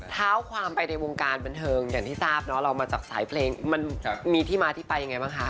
เท้าความไปในวงการบันเทิงอย่างที่ทราบเนาะเรามาจากสายเพลงมันมีที่มาที่ไปยังไงบ้างคะ